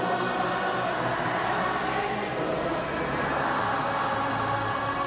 พระนึงจะให้เสียงทุกคนดังไปถึงภาพประวัติศาสตร์แทนความจงรักพักดีอีกครั้ง